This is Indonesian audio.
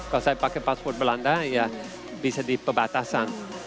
kalau saya pakai pasport belanda ya bisa di perbatasan